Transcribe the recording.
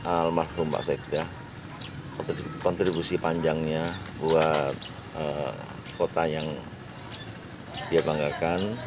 almarhum pak sekda kontribusi panjangnya buat kota yang dia banggakan